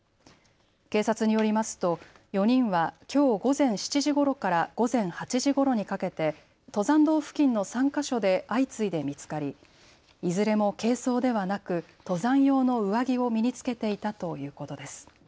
警察によりますと４人はきょう午前７時ごろから午前８時ごろにかけて登山道付近の３か所で相次いで見つかりいずれも軽装ではなく登山用の上着を身に着けていたということです。